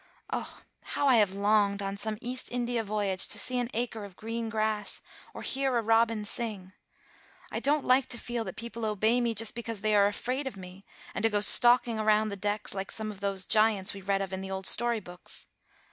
O, how I have longed, on some East India voyage, to see an acre of green grass, or hear a robin sing! I don't like to feel that people obey me just because they are afraid of me, and to go stalking round the decks like some of those giants we read of in the old story books.